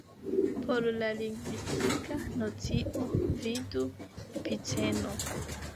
Por la lingvistika nocio, vidu Epiceno.